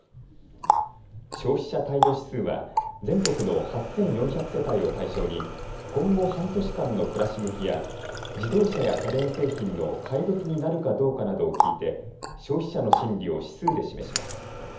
消費者態度指数は全国の８４００世帯を対象に今後半年間の暮らし向きや自動車や家電製品の買い時になるかどうかなどを聞いて消費者の心理を指数で示します。